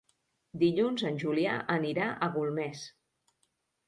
Dilluns en Julià anirà a Golmés.